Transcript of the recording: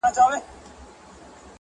د مُحبت کچکول په غاړه وړم د میني تر ښار-